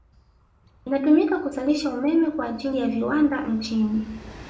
Inatumika kuzalishia umeme kwa ajili ya viwandani nchini